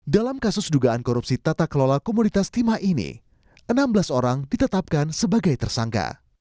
dalam kasus dugaan korupsi tata kelola komunitas timah ini enam belas orang ditetapkan sebagai tersangka